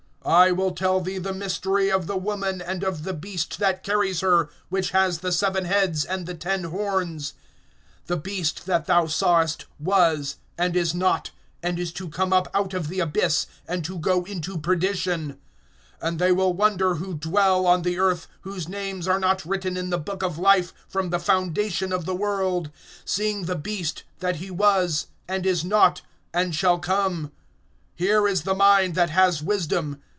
I will tell thee the mystery of the woman, and of the beast that carries her, which has the seven heads and the ten horns. (8)The beast that thou sawest was, and is not, and is to come up out of the abyss, and to go into perdition; and they will wonder who dwell on the earth, whose names are not written in the book of life from the foundation of the world, seeing the beast, that he was, and is not, and shall come. (9)Here is the mind that has wisdom.